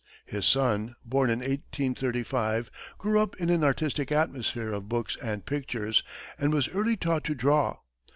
His son, born in 1835, grew up in an artistic atmosphere of books and pictures, and was early taught to draw.